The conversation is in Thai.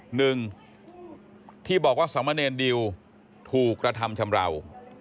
หนึ่งที่บอกว่าสมเนรดิวถูกกระทำชำราว